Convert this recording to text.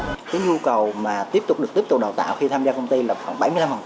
cái nhu cầu mà tiếp tục được tiếp tục đào tạo khi tham gia công ty là khoảng bảy mươi năm